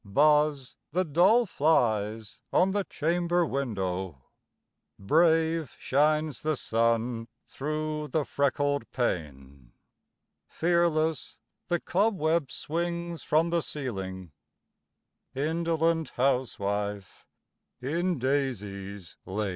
Buzz the dull flies on the chamber window; Brave shines the sun through the freckled pane; Fearless the cobweb swings from the ceiling Indolent housewife, in daisies lain!